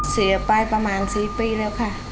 เสียไปประมาณ๔ปีแล้วค่ะ